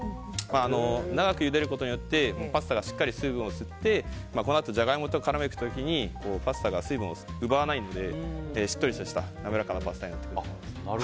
長くゆでることによってパスタがしっかりと水分を吸ってこのあとジャガイモと絡める時にパスタが水分を奪わないのでしっとりとしたなめらかなパスタになります。